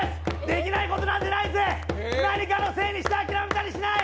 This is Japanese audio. できないことなんてないぜ、何かのせいにして諦めたりしない。